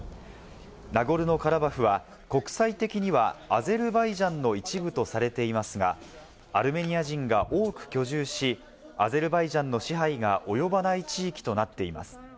ナゴルノカラバフは国際的にはアゼルバイジャンの一部とされていますが、アルメニア人が多く居住し、アゼルバイジャンの支配が及ばない地域となっています。